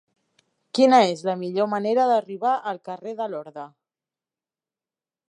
Quina és la millor manera d'arribar al carrer de Lorda?